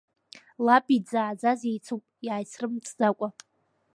Лаби дзааӡази еицуп иааицрымҵӡакәа.